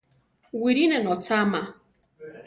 Wiʼri ne notzama.